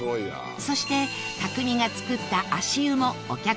そして匠が作った足湯もお客さんたちに大人気！